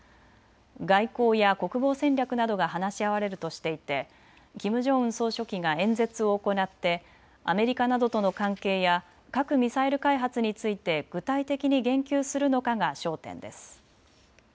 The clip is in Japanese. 外交や国防戦略などが話し合われるとしていてキム・ジョンウン総書記が演説を行ってアメリカなどとの関係や核・ミサイル開発について具体的に言及するのかが焦点です。